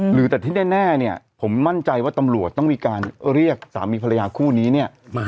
หรือแต่ที่แน่ผมมั่นใจว่าตำรวจต้องมีการเรียกสามีพระยาคู่นี้